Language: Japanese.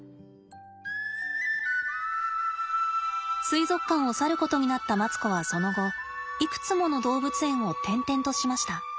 水族館を去ることになったマツコはその後いくつもの動物園を転々としました。